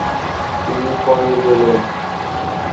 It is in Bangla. তিনি পরে গেলেন।